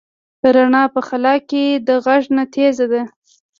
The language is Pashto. رڼا په خلا کې د غږ نه تېزه ده.